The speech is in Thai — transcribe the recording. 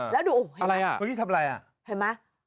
เมื่อกี้ทำอะไรอ่ะ